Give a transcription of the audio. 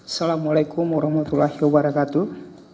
assalamu'alaikum warahmatullahi wabarakatuh